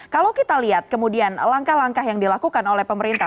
kalau kita lihat kemudian langkah langkah yang dilakukan oleh pemerintah